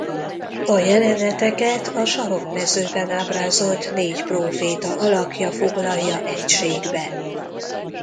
A jeleneteket a sarok mezőben ábrázolt négy próféta alakja foglalja egységbe.